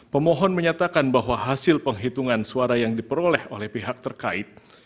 pemohon menyatakan bahwa hasil penghitungan suara yang diperoleh oleh pihak terkait